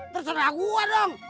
terserah gue dong